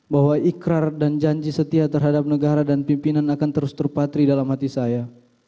bahwa ikrar dan janji setia terhadap negara dan pimpinan akan terus terpatri dalam hati saya